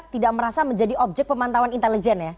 tidak merasa menjadi objek pemantauan intelijen ya